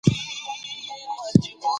د سپورت په برخه کي ځوانان اتلان دي.